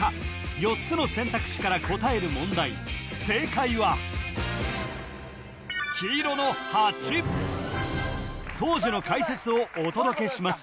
４つの選択肢から答える問題正解は黄色の８当時の解説をお届けします